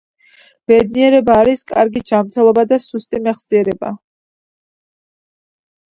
ბედნიერება არის კარგი ჯანმრთელობა და სუსტი მეხსიერება.